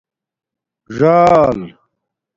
ژݴل